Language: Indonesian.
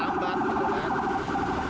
dia agak lambat betul kan